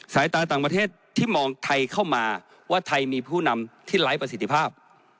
สายตาต่างประเทศที่มองไทยเข้ามาว่าไทยมีผู้นำที่ไร้ประสิทธิภาพ